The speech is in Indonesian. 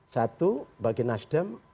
satu bagi nasdem